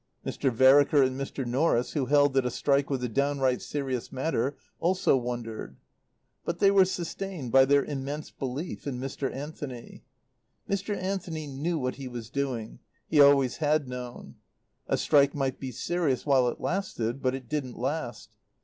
Mr. Vereker and Mr. Norris, who held that a strike was a downright serious matter, also wondered. But they were sustained by their immense belief in Mr. Anthony. Mr. Anthony knew what he was doing; he always had known. A strike might be serious while it lasted, but it didn't last.